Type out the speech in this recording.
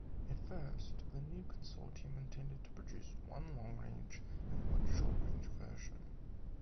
At first, the new consortium intended to produce one long-range and one short-range version.